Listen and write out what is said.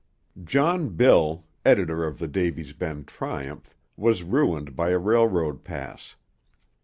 John Bill, editor of the Davy's Bend Triumph, was ruined by a railroad pass.